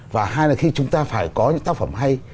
và hai là khi chúng ta phải có những tác phẩm hay